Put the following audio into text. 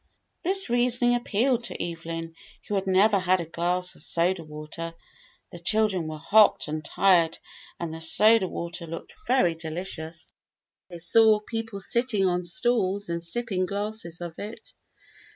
This reasoning appealed to Evelyn, who had never had a glass of soda water. The children were hot and tired, and the soda water looked very delicious, as JIM AND THE ORPHANS 117 they saw people sitting on stools and sipping glasses of it.